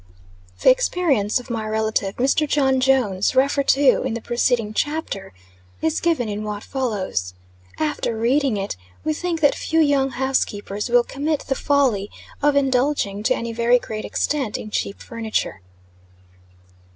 THE "Experience" of my relative, Mr. John Jones, referred to in the preceding chapter, is given in what follows. After reading it, we think that few young housekeepers will commit the folly of indulging to any very great extent in cheap furniture.